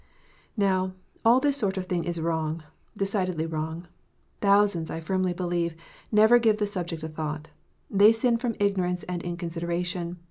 * Now all this sort of thing is wrong, decidedly wrong. Thou sands, I firmly believe, never give the subject a thought : they sin from ignorance and inconsideration.